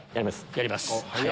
やります。